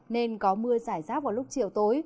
nên có mưa xảy rác vào lúc chiều tối